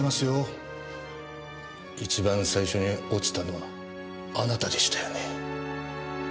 一番最初に落ちたのあなたでしたよね。